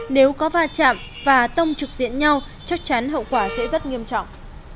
nếu có va chạm và tông trực diện nhau chắc chắn hậu quả sẽ rất nghiêm trọng